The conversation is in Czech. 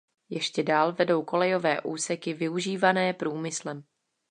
Ještě dál vedou kolejové úseky využívané průmyslem.